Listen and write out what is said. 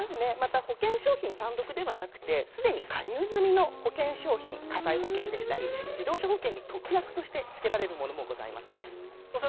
保険商品単独ではなくてすでに加入済みの保険商品、火災保険だったり自動車保険に特約として付けられるものもあります。